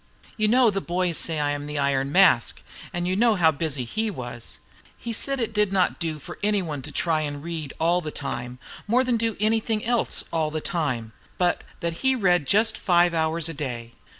"You know the boys say I am the Iron Mask, and you know how busy he was." He said it did not do for any one to try to read all the time, more than to do anything else all the time; and that he used to read just five hours a day.